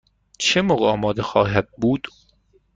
چه موقع آماده خواهد بود؟